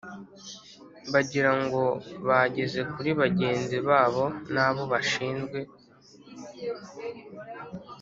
bagira ngo bageze kuri bagenzi babo n'abo bashinzwe